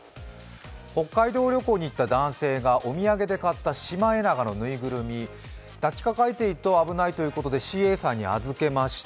北海道旅行に行った男性がお土産で買ったシマエナガの縫いぐるみ、抱きかかえていると危ないということでＣＡさんに預けました。